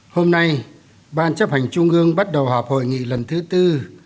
hôm nay ban chấp hành trung ương bắt đầu họp hội nghị lần thứ tư